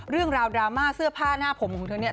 เรื่องราวดราม่าเสื้อผ้าหน้าผมของเธอเนี่ย